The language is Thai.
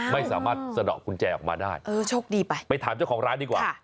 ไม่สามารถสะดอกกุญแจออกมาได้ไปถามเจ้าของร้านดีกว่า